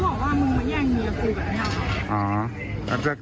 เขาบอกว่ามึงมาแย่งเมียกับกูกันอย่างนี้